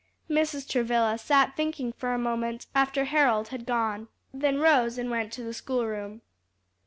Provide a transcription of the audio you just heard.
Mrs. Travilla sat thinking for a moment after Harold had gone, then rose and went to the school room.